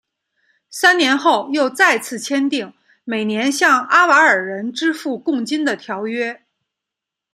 三年后又再次签订每年向阿瓦尔人支付贡金的条约。